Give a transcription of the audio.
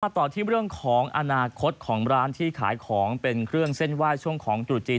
ต่อที่เรื่องของอนาคตของร้านที่ขายของเป็นเครื่องเส้นไหว้ช่วงของตรุษจีน